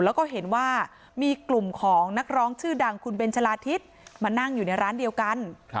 แล้วก็เห็นว่ามีกลุ่มของนักร้องชื่อดังคุณเบนชะลาทิศมานั่งอยู่ในร้านเดียวกัน